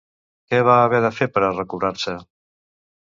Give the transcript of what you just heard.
Què va haver de fer per a recobrar-se?